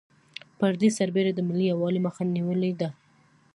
پر دې سربېره د ملي یوالي مخه یې نېولې ده.